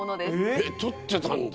えっ録ってたんだ！